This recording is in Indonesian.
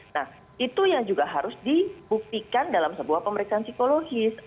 nah itu yang juga harus dibuktikan dalam sebuah pemeriksaan psikologis